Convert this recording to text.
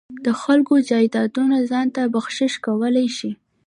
د خلکو جایدادونه ځان ته بخشش کولای شي.